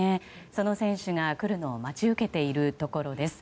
その選手たちが来るのを待ち受けているところです。